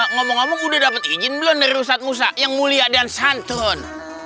ngomong ngomong udah dapat izin belum dari pusat musa yang mulia dan santun